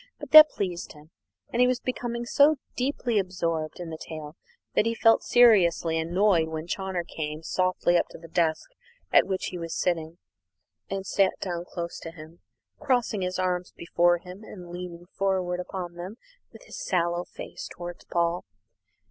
But that pleased him, and he was becoming so deeply absorbed in the tale that he felt seriously annoyed when Chawner came softly up to the desk at which he was sitting, and sat down close to him, crossing his arms before him, and leaning forward upon them with his sallow face towards Paul.